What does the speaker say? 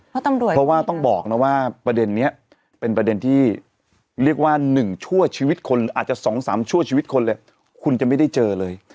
เพราะตำรวจเพราะว่าต้องบอกนะว่าประเด็นนี้เป็นประเด็นที่เรียกว่า๑ชั่วชีวิตคนอาจจะ๒๓ชั่วชีวิตคนเลยคุณจะไม่ได้เจอเลย